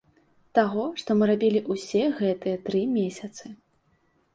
Таго, што мы рабілі ўсе гэтыя тры месяцы.